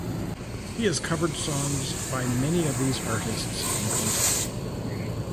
He has covered songs by many of these artists in concert.